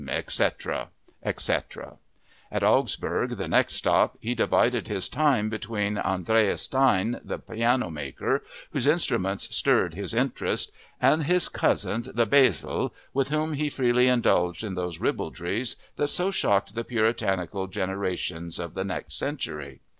etc., etc. At Augsburg, the next stop, he divided his time between Andreas Stein, the pianomaker whose instruments stirred his interest, and his cousin, the "Bäsle," with whom he freely indulged in those ribaldries that so shocked the puritanical generations of the next century.